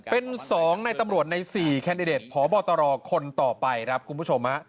เป็น๒ในตำรวจใน๔แคนดิเดตพบตรคนต่อไปครับคุณผู้ชม